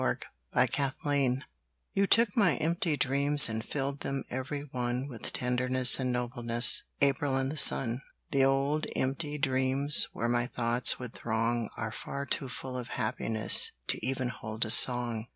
Houses of Dreams You took my empty dreams And filled them every one With tenderness and nobleness, April and the sun. The old empty dreams Where my thoughts would throng Are far too full of happiness To even hold a song.